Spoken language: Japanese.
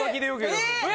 え！